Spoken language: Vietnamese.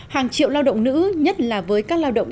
hàng triệu lao động nữ nhất là với các lao động